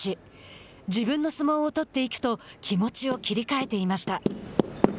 自分の相撲を取っていくと気持ちを切り替えていました。